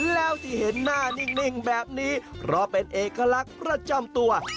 แล้วที่เห็นหน้านิ่งแบบนี้เพราะเป็นเอกลักษณ์ประจำตัว